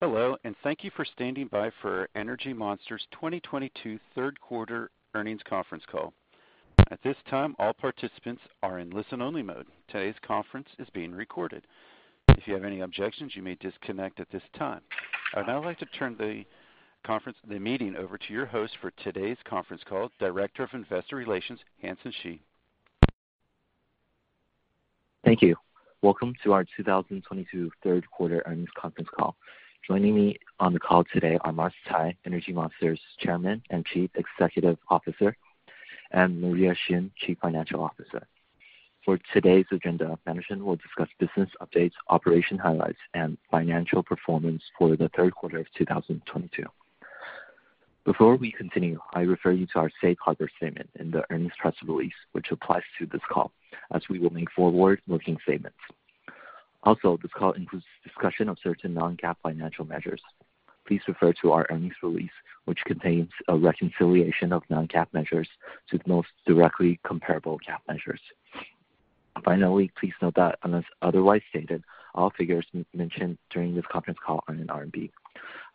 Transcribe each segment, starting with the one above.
Hello, thank you for standing by for Energy Monster's 2022 third quarter earnings conference call. At this time, all participants are in listen-only mode. Today's conference is being recorded. If you have any objections, you may disconnect at this time. I'd now like to turn the meeting over to your host for today's conference call, Director of Investor Relations, Hansen Shi. Thank you. Welcome to our 2022 third quarter earnings conference call. Joining me on the call today are Mars Cai, Energy Monster's Chairman and Chief Executive Officer, and Maria Xin, Chief Financial Officer. For today's agenda, management will discuss business updates, operation highlights, and financial performance for the third quarter of 2022. Before we continue, I refer you to our safe harbor statement in the earnings press release, which applies to this call as we will make forward-looking statements. This call includes discussion of certain non-GAAP financial measures. Please refer to our earnings release, which contains a reconciliation of non-GAAP measures to the most directly comparable GAAP measures. Please note that unless otherwise stated, all figures mentioned during this conference call are in RMB.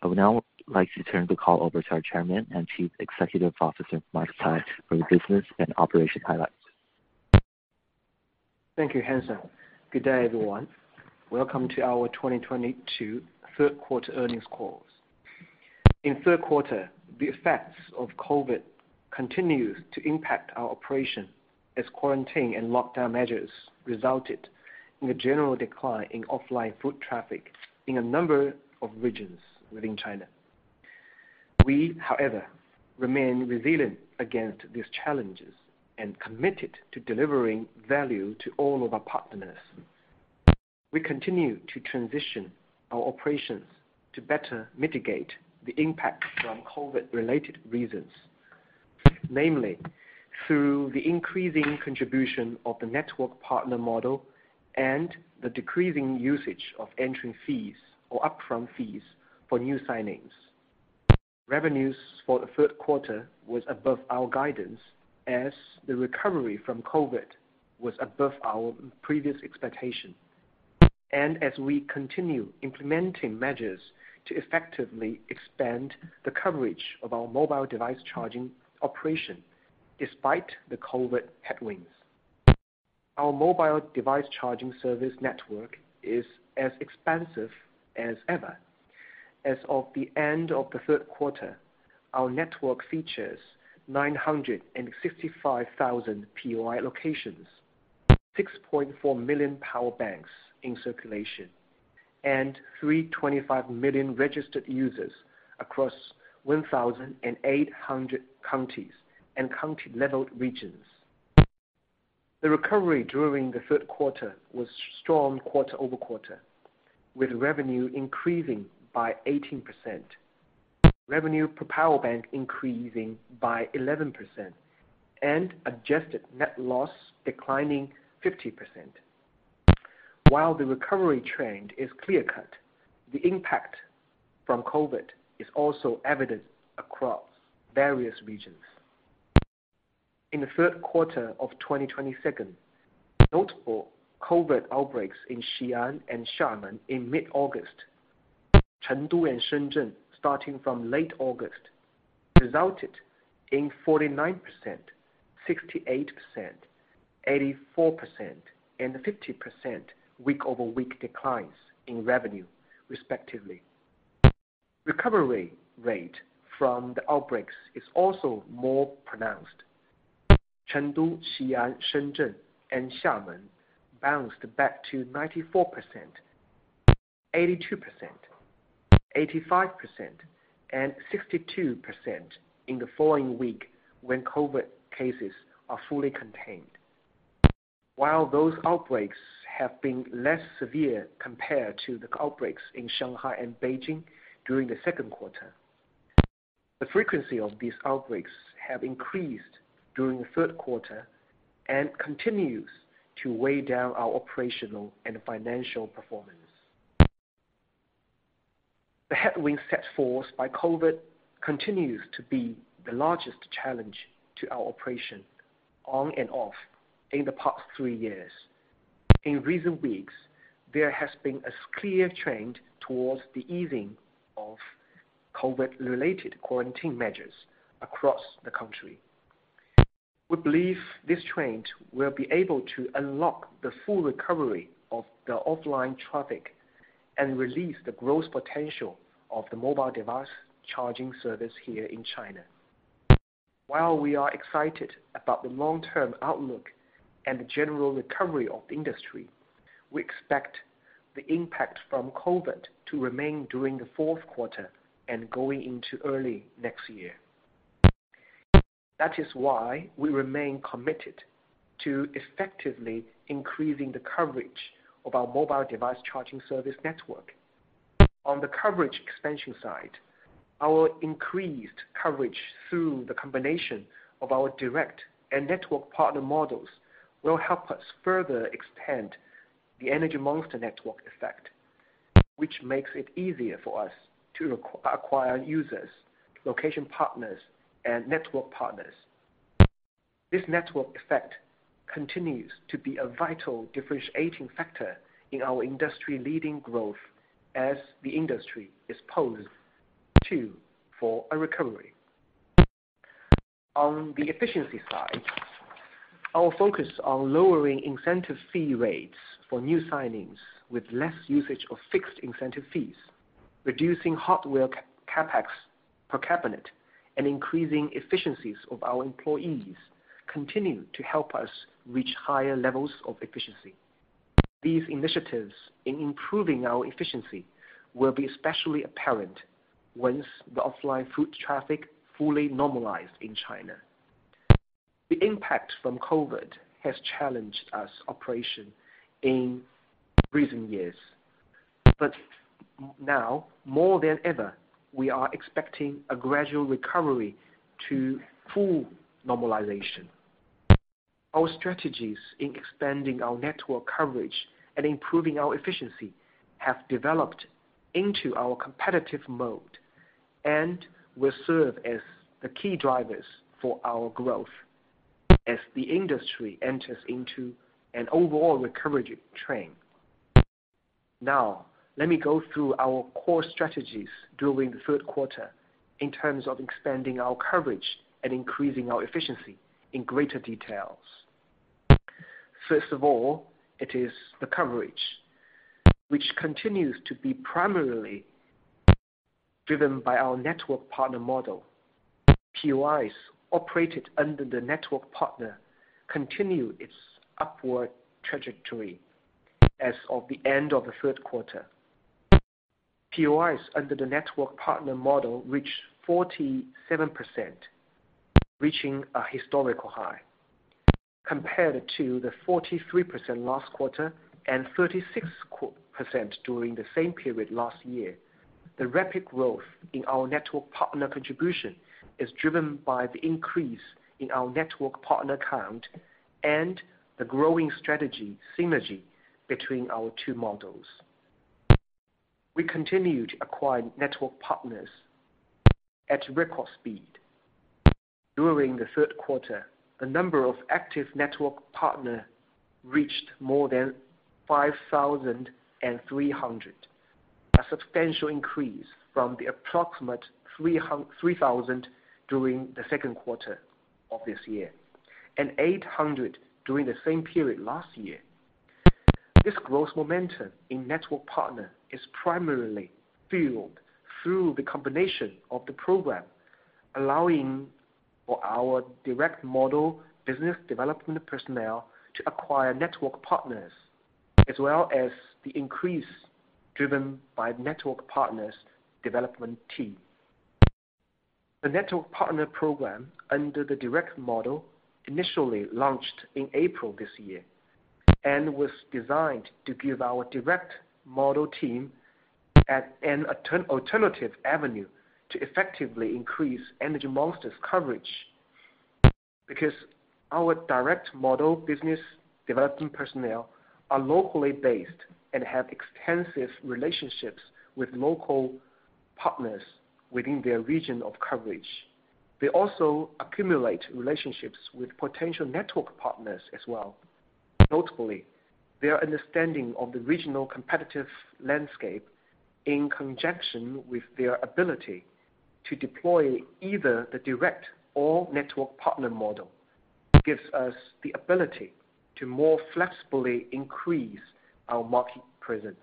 I would now like to turn the call over to our Chairman and Chief Executive Officer, Mars Cai, for the business and operation highlights. Thank you, Hansen. Good day, everyone. Welcome to our 2022 third quarter earnings calls. In third quarter, the effects of COVID continued to impact our operation as quarantine and lockdown measures resulted in a general decline in offline foot traffic in a number of regions within China. We, however, remain resilient against these challenges and committed to delivering value to all of our partners. We continue to transition our operations to better mitigate the impact from COVID-related reasons, namely, through the increasing contribution of the network partner model and the decreasing usage of entry fees or upfront fees for new signings. Revenues for the third quarter was above our guidance as the recovery from COVID was above our previous expectation, as we continue implementing measures to effectively expand the coverage of our mobile device charging operation despite the COVID headwinds. Our mobile device charging service network is as expansive as ever. As of the end of the third quarter, our network features 965,000 POI locations, 6.4 million power banks in circulation, and 325 million registered users across 1,800 counties and county-level regions. The recovery during the third quarter was strong quarter-over-quarter, with revenue increasing by 18%, revenue per power bank increasing by 11%, and adjusted net loss declining 50%. While the recovery trend is clear-cut, the impact from COVID is also evident across various regions. In the third quarter of 2022, notable COVID outbreaks in Xi'an and Xiamen in mid-August, Chengdu and Shenzhen starting from late August, resulted in 49%, 68%, 84%, and 50% week-over-week declines in revenue respectively. Recovery rate from the outbreaks is also more pronounced. Chengdu, Xi'an, Shenzhen, and Xiamen bounced back to 94%, 82%, 85%, and 62% in the following week when COVID cases are fully contained. Those outbreaks have been less severe compared to the outbreaks in Shanghai and Beijing during the second quarter, the frequency of these outbreaks have increased during the third quarter and continues to weigh down our operational and financial performance. The headwind set forth by COVID continues to be the largest challenge to our operation on and off in the past three years. In recent weeks, there has been a clear trend towards the easing of COVID-related quarantine measures across the country. We believe this trend will be able to unlock the full recovery of the offline traffic and release the growth potential of the mobile device charging service here in China. While we are excited about the long-term outlook and the general recovery of the industry, we expect the impact from COVID to remain during the fourth quarter and going into early next year. That is why we remain committed to effectively increasing the coverage of our mobile device charging service network. On the coverage expansion side, our increased coverage through the combination of our direct model and network partner models will help us further extend the Energy Monster network effect, which makes it easier for us to acquire users, location partners, and network partners. This network effect continues to be a vital differentiating factor in our industry-leading growth as the industry is posed for a recovery. On the efficiency side, our focus on lowering incentive fee rates for new signings with less usage of fixed incentive fees, reducing hardware CapEx per cabinet, and increasing efficiencies of our employees, continue to help us reach higher levels of efficiency. These initiatives in improving our efficiency will be especially apparent once the offline foot traffic fully normalize in China. The impact from COVID-19 has challenged us operation in recent years. Now more than ever, we are expecting a gradual recovery to full normalization. Our strategies in expanding our network coverage and improving our efficiency have developed into our competitive moat. Will serve as the key drivers for our growth as the industry enters into an overall recovery trend. Let me go through our core strategies during the third quarter in terms of expanding our coverage and increasing our efficiency in greater details. First of all, it is the coverage, which continues to be primarily driven by our network partner model. POIs operated under the network partner continue its upward trajectory as of the end of the third quarter. POIs under the network partner model reached 47%, reaching a historical high compared to the 43% last quarter and 36% during the same period last year. The rapid growth in our network partner contribution is driven by the increase in our network partner count and the growing strategy synergy between our two models. We continue to acquire network partners at record speed. During the third quarter, the number of active network partner reached more than 5,300, a substantial increase from the approximate 3,000 during the second quarter of this year, and 800 during the same period last year. This growth momentum in network partner is primarily fueled through the combination of the program, allowing for our direct model business development personnel to acquire network partners, as well as the increase driven by network partners development team. The network partner program under the direct model initially launched in April this year, and was designed to give our direct model team an alternative avenue to effectively increase Energy Monster's coverage. Because our direct model business development personnel are locally based and have extensive relationships with local partners within their region of coverage, they also accumulate relationships with potential network partners as well. Notably, their understanding of the regional competitive landscape in conjunction with their ability to deploy either the direct or network partner model, gives us the ability to more flexibly increase our market presence.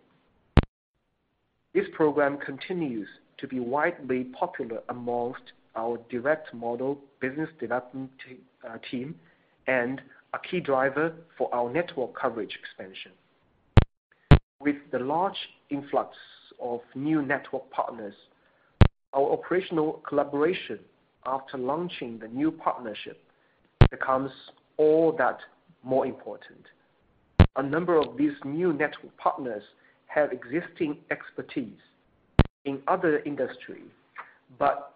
This program continues to be widely popular amongst our direct model business development team and a key driver for our network coverage expansion. With the large influx of new network partners, our operational collaboration after launching the new partnership becomes all that more important. A number of these new network partners have existing expertise in other industry, but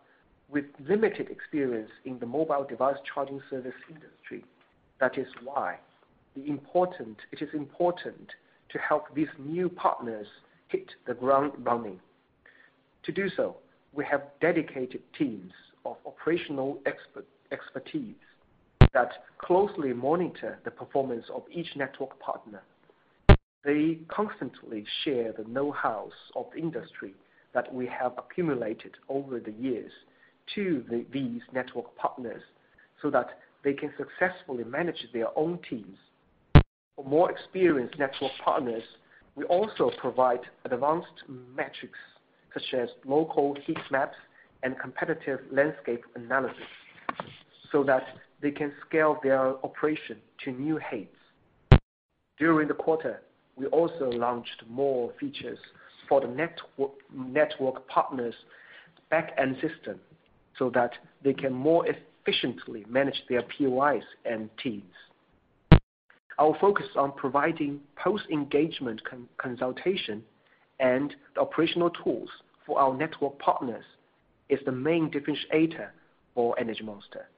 with limited experience in the mobile device charging service industry. That is why it is important to help these new partners hit the ground running. To do so, we have dedicated teams of operational expertise that closely monitor the performance of each network partner. They constantly share the know-hows of the industry that we have accumulated over the years to these network partners, so that they can successfully manage their own teams. For more experienced network partners, we also provide advanced metrics such as local heat maps and competitive landscape analysis that they can scale their operation to new heights. During the quarter, we also launched more features for the network partners' back-end system that they can more efficiently manage their POIs and teams. Our focus on providing post-engagement consultation and the operational tools for our network partners is the main differentiator for Energy Monster.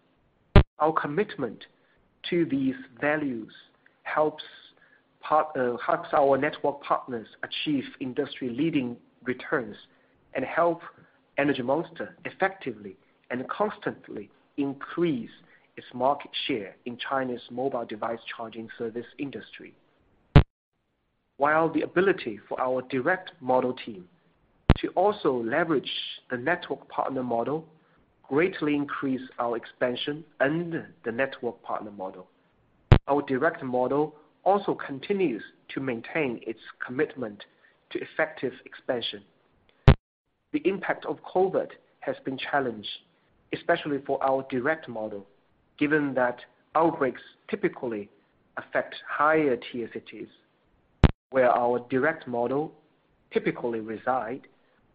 Our commitment to these values helps our network partners achieve industry-leading returns and help Energy Monster effectively and constantly increase its market share in China's mobile device charging service industry. The ability for our direct model team to also leverage the network partner model greatly increase our expansion under the network partner model. Our direct model also continues to maintain its commitment to effective expansion. The impact of COVID has been a challenge, especially for our direct model, given that outbreaks typically affect higher-tier cities, where our direct model typically reside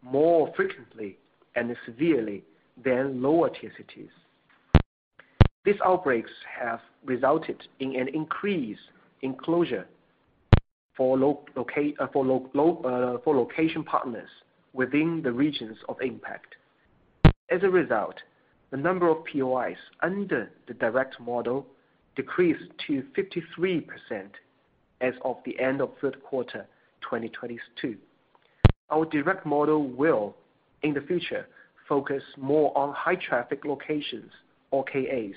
more frequently and severely than lower-tier cities. These outbreaks have resulted in an increase in closure for location partners within the regions of impact. As a result, the number of POIs under the direct model decreased to 53% as of the end of third quarter 2022. Our direct model will, in the future, focus more on high-traffic locations or KAs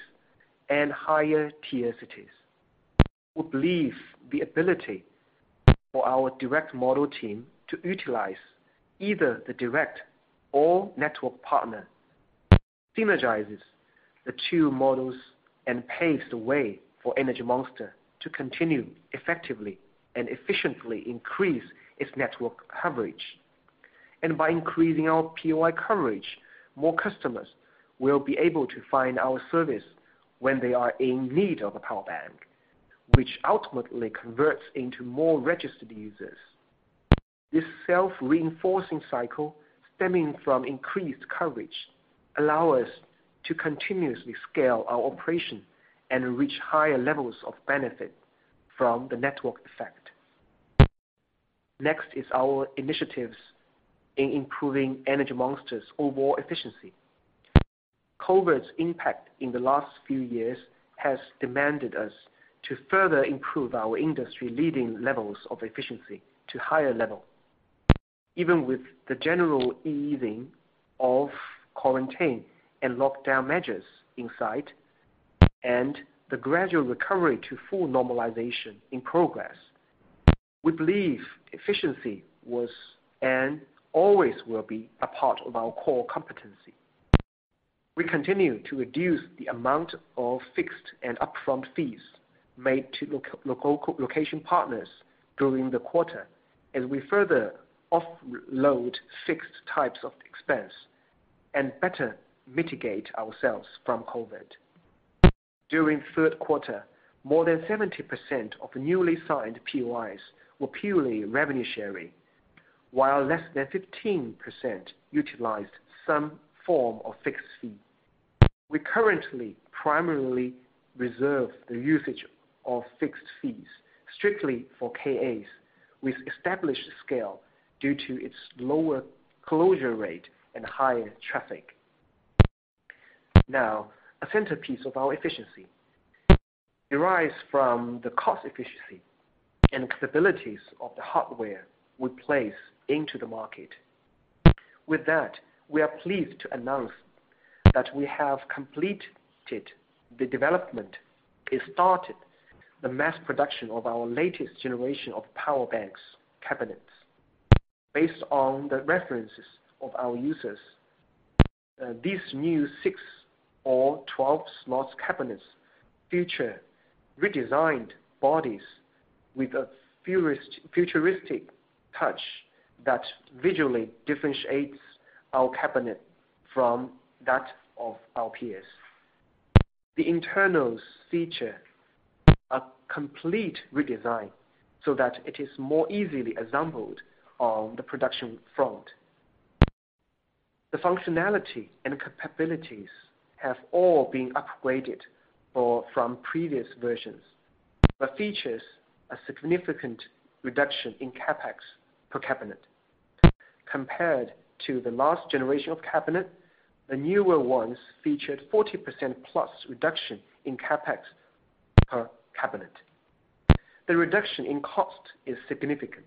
and higher-tier cities. We believe the ability for our direct model team to utilize either the direct or network partner synergizes the two models and paves the way for Energy Monster to continue effectively and efficiently increase its network coverage. By increasing our POI coverage, more customers will be able to find our service when they are in need of a power bank, which ultimately converts into more registered users. This self-reinforcing cycle stemming from increased coverage allow us to continuously scale our operation and reach higher levels of benefit from the network effect. Next is our initiatives in improving Energy Monster's overall efficiency. COVID's impact in the last few years has demanded us to further improve our industry-leading levels of efficiency to a higher level. Even with the general easing of quarantine and lockdown measures in sight and the gradual recovery to full normalization in progress, we believe efficiency was and always will be a part of our core competency. We continue to reduce the amount of fixed and upfront fees made to location partners during the quarter, as we further offload fixed types of expense and better mitigate ourselves from COVID. During the third quarter, more than 70% of newly signed POIs were purely revenue-sharing, while less than 15% utilized some form of fixed fee. We currently primarily reserve the usage of fixed fees strictly for KAs with established scale due to its lower closure rate and higher traffic. A centerpiece of our efficiency derives from the cost efficiency and capabilities of the hardware we place into the market. We are pleased to announce that we have completed the development and started the mass production of our latest generation of power banks cabinets. Based on the references of our users, these new six or 12 slots cabinets feature redesigned bodies with a futuristic touch that visually differentiates our cabinet from that of our peers. The internals feature a complete redesign so that it is more easily assembled on the production front. The functionality and capabilities have all been upgraded or from previous versions, but features a significant reduction in CapEx per cabinet. Compared to the last generation of cabinet, the newer ones featured 40%+ reduction in CapEx per cabinet. The reduction in cost is significant,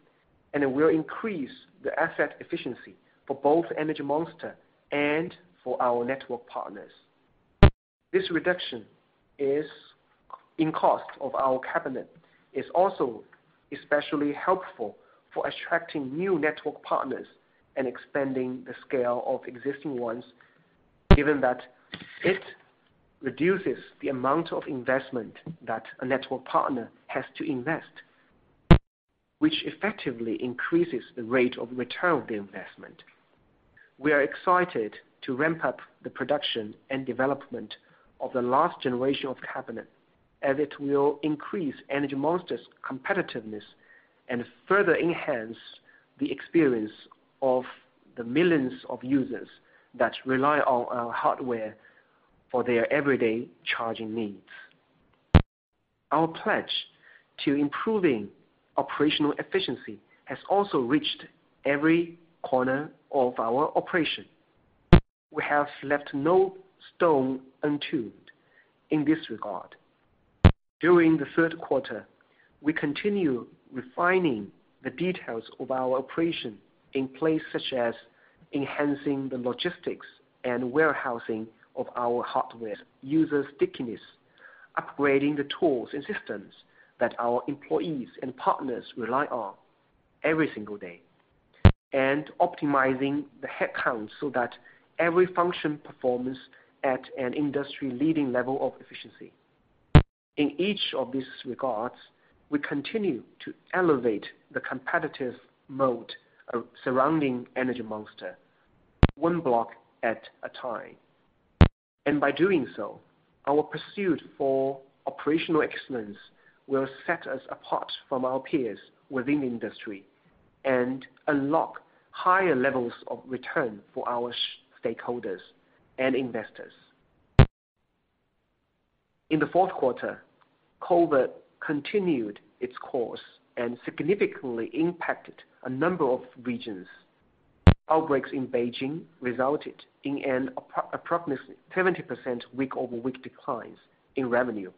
and it will increase the asset efficiency for both Energy Monster and for our network partners. This reduction in cost of our cabinet is also especially helpful for attracting new network partners and expanding the scale of existing ones, given that it reduces the amount of investment that a network partner has to invest, which effectively increases the rate of return of the investment. We are excited to ramp up the production and development of the last generation of cabinet as it will increase Energy Monster's competitiveness and further enhance the experience of the millions of users that rely on our hardware for their everyday charging needs. Our pledge to improving operational efficiency has also reached every corner of our operation. We have left no stone unturned in this regard. During the third quarter, we continue refining the details of our operation in place, such as enhancing the logistics and warehousing of our hardware user stickiness, upgrading the tools and systems that our employees and partners rely on every single day. Optimizing the headcount so that every function performs at an industry-leading level of efficiency. In each of these regards, we continue to elevate the competitive mode surrounding Energy Monster one block at a time. By doing so, our pursuit for operational excellence will set us apart from our peers within the industry and unlock higher levels of return for our stakeholders and investors. In the fourth quarter, COVID continued its course and significantly impacted a number of regions. Outbreaks in Beijing resulted in approximately 70% week-over-week declines in revenue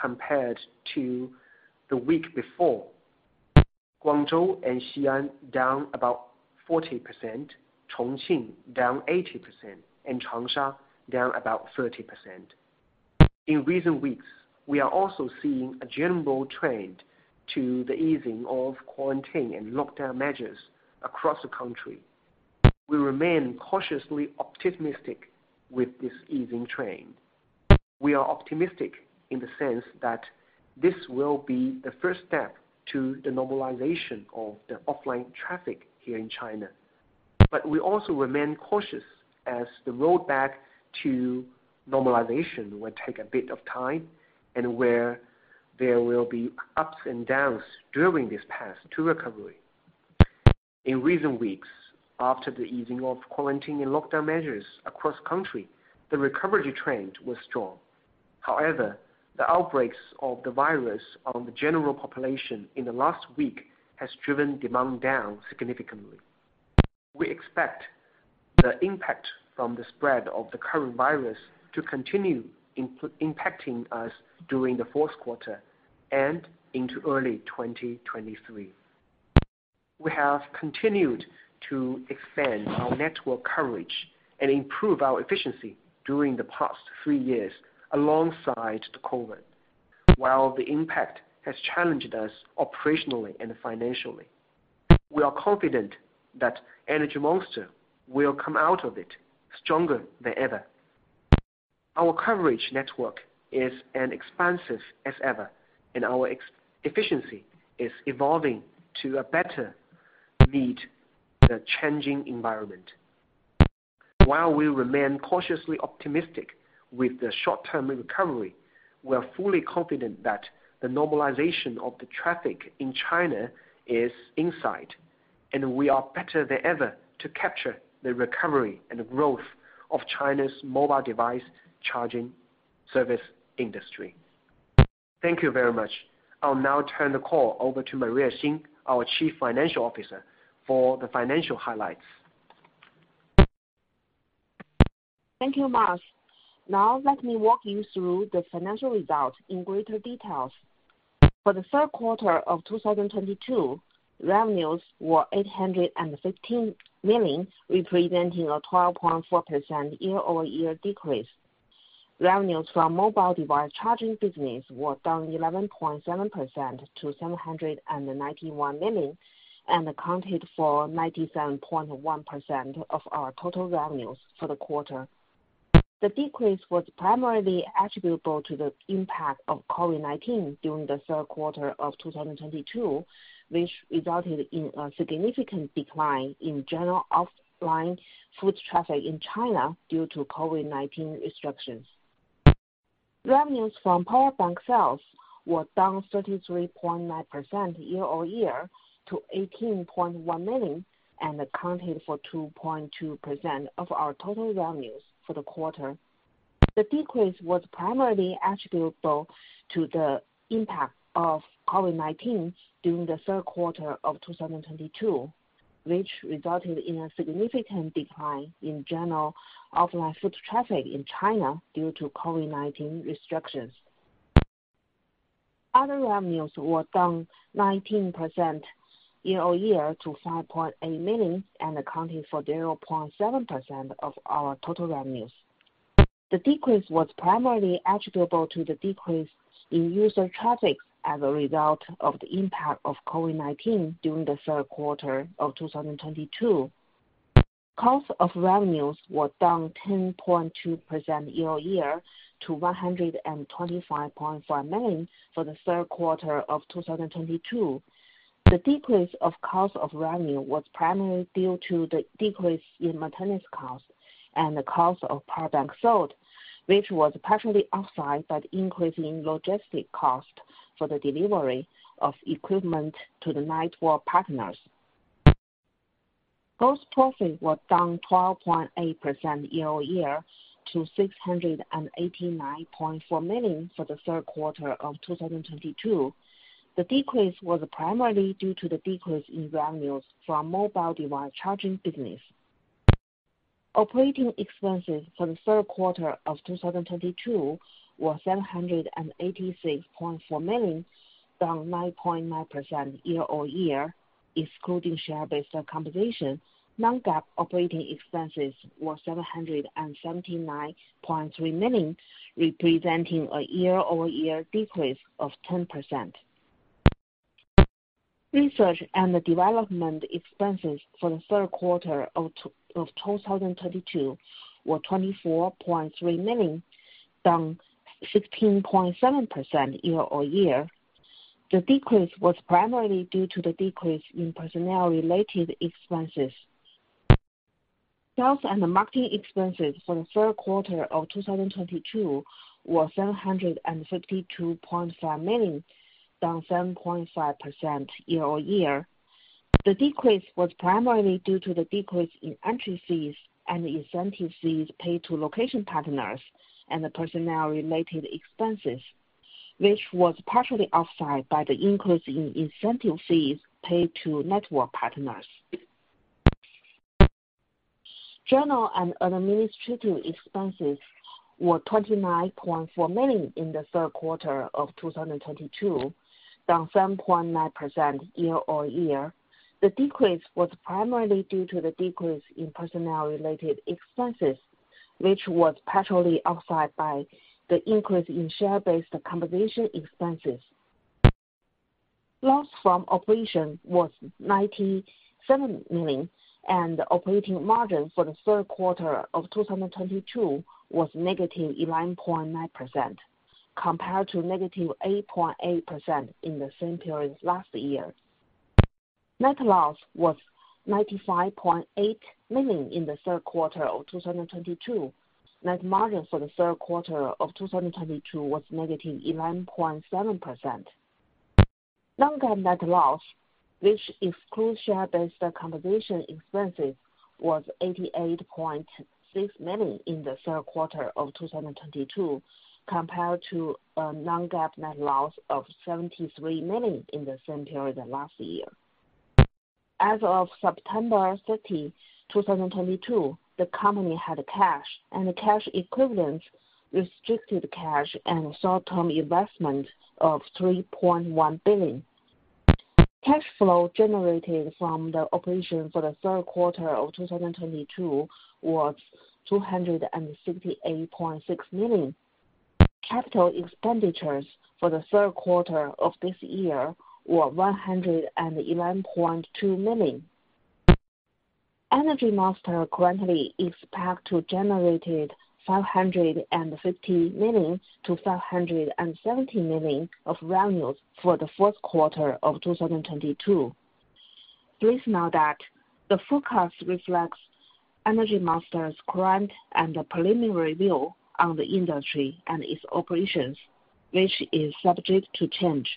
compared to the week before. Guangzhou and Xi'an down about 40%, Chongqing down 80%, and Changsha down about 30%. In recent weeks, we are also seeing a general trend to the easing of quarantine and lockdown measures across the country. We remain cautiously optimistic with this easing trend. We are optimistic in the sense that this will be the first step to the normalization of the offline traffic here in China. We also remain cautious as the road back to normalization will take a bit of time, and where there will be ups and downs during this path to recovery. In recent weeks, after the easing of quarantine and lockdown measures across country, the recovery trend was strong. However, the outbreaks of the virus on the general population in the last week has driven demand down significantly. We expect the impact from the spread of the current virus to continue impacting us during the fourth quarter and into early 2023. We have continued to expand our network coverage and improve our efficiency during the past three years alongside the COVID. While the impact has challenged us operationally and financially, we are confident that Energy Monster will come out of it stronger than ever. Our coverage network is an expansive as ever, and our efficiency is evolving to better meet the changing environment. While we remain cautiously optimistic with the short-term recovery, we are fully confident that the normalization of the traffic in China is in sight, and we are better than ever to capture the recovery and growth of China's mobile device charging service industry. Thank you very much. I'll now turn the call over to Maria Xin, our Chief Financial Officer, for the financial highlights. Thank you, Mars. Let me walk you through the financial results in greater details. For the third quarter of 2022, revenues were 815 million, representing a 12.4% year-over-year decrease. Revenues from mobile device charging business were down 11.7% to 791 million, accounted for 97.1% of our total revenues for the quarter. The decrease was primarily attributable to the impact of COVID-19 during the third quarter of 2022, which resulted in a significant decline in general offline foot traffic in China due to COVID-19 restrictions. Revenues from power bank sales were down 33.9% year-over-year to 18.1 million, accounted for 2.2% of our total revenues for the quarter. The decrease was primarily attributable to the impact of COVID-19 during the third quarter of 2022, which resulted in a significant decline in general offline foot traffic in China due to COVID-19 restrictions. Other revenues were down 19% year-over-year to 5.8 million, and accounting for 0.7% of our total revenues. The decrease was primarily attributable to the decrease in user traffic as a result of the impact of COVID-19 during the third quarter of 2022. Cost of revenues were down 10.2% year-over-year to 125.5 million for the third quarter of 2022. The decrease of cost of revenue was primarily due to the decrease in maintenance cost and the cost of power bank sold, which was partially offset by the increase in logistic cost for the delivery of equipment to the network partners. Gross profit was down 12.8% year-over-year to 689.4 million for the third quarter of 2022. The decrease was primarily due to the decrease in revenues from mobile device charging business. Operating expenses for the third quarter of 2022 were 786.4 million, down 9.9% year-over-year, excluding share-based compensation. Non-GAAP operating expenses were 779.3 million, representing a year-over-year decrease of 10%. Research and development expenses for the third quarter of 2022 were 24.3 million, down 16.7% year-over-year. The decrease was primarily due to the decrease in personnel related expenses. Sales and the marketing expenses for the third quarter of 2022 were 752.5 million, down 7.5% year-over-year. The decrease was primarily due to the decrease in entry fees and the incentive fees paid to location partners and the personnel related expenses, which was partially offset by the increase in incentive fees paid to network partners. General and administrative expenses were 29.4 million in the third quarter of 2022, down 7.9% year-over-year. The decrease was primarily due to the decrease in personnel related expenses, which was partially offset by the increase in share-based compensation expenses. Loss from operation was 97 million, and operating margin for the third quarter of 2022 was -11.9% compared to -8.8% in the same period last year. Net loss was 95.8 million in the third quarter of 2022. Net margin for the third quarter of 2022 was -11.7%. Non-GAAP net loss, which excludes share-based compensation expenses, was 88.6 million in the third quarter of 2022, compared to a non-GAAP net loss of 73 million in the same period last year. As of September 13, 2022, the company had a cash and cash equivalents, restricted cash and short-term investment of 3.1 billion. Cash flow generated from the operation for the third quarter of 2022 was 268.6 million. CapEx for the third quarter of this year were 111.2 million. Energy Monster currently expect to generate 550 million-570 million of revenues for the fourth quarter of 2022. Please note that the forecast reflects Energy Monster's current and preliminary view on the industry and its operations, which is subject to change.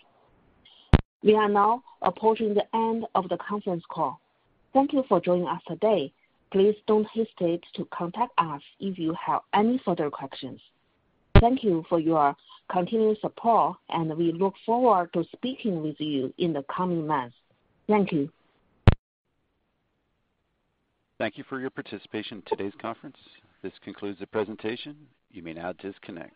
We are now approaching the end of the conference call. Thank you for joining us today. Please don't hesitate to contact us if you have any further questions. Thank you for your continued support, and we look forward to speaking with you in the coming months. Thank you. Thank you for your participation in today's conference. This concludes the presentation. You may now disconnect.